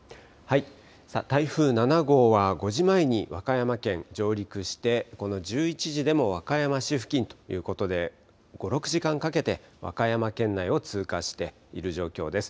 台風７号は５時前に和歌山県上陸してこの１１時でも和歌山市付近ということで５、６時間かけて和歌山県内を通過している状況です。